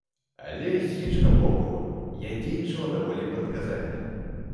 Але, з іншага боку, я дзейнічала даволі прадказальна.